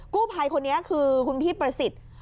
กู้ภัยคนนี้คือคุณพี่ประสิทธิ์